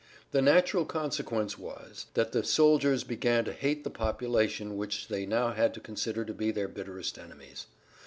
The natural consequence was that the soldiers began to hate the population which they now had to consider to be their bitterest enemies.